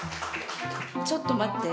ちょっと待って！